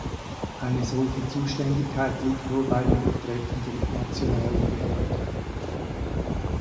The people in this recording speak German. Eine solche Zuständigkeit liegt nur bei den betreffenden nationalen Behörden.